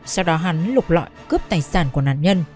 sau đó hắn lục lọi cướp tài sản của nạn nhân